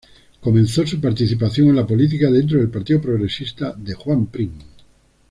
Comenzó su participación en la política dentro del Partido Progresista de Juan Prim.